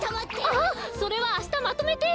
あっそれはあしたまとめて。